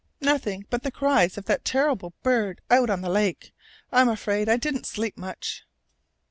"Nothing but the cries of that terrible bird out on the lake. I'm afraid I didn't sleep much."